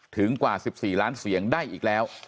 กว่า๑๔ล้านเสียงได้อีกแล้ว